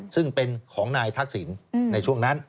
ซึ่งเป็นของนายทักษิณในช่วงนั้น